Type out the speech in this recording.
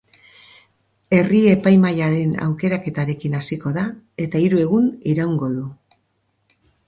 Herri-epaimahaiaren aukeraketarekin hasiko da, eta hiru egun iraungo du.